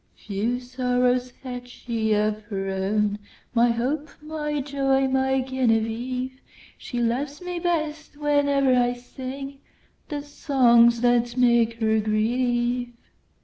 Few sorrows hath she of her own, My hope! my joy! my Genevieve! She loves me best, whene'er I singThe songs that make her grieve.